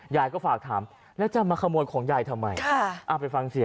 ยายก็ฝากถามแล้วจะมาขโมยของยายทำไม